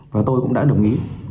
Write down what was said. và tôi cũng đã đồng ý